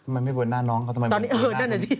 ไม่เบิร์นหน้าน้องเขา